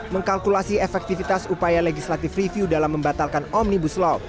mengkalkulasi efektivitas upaya legislative review dalam membatalkan omnibus law